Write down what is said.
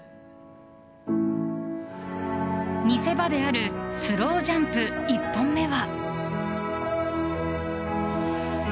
見せ場であるスロージャンプ１本目は。